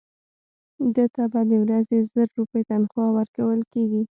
ده ته به د ورځې زر روپۍ تنخوا ورکول کېږي.